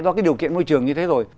do cái điều kiện môi trường như thế rồi